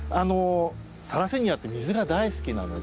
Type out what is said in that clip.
サラニセアって水が大好きなので。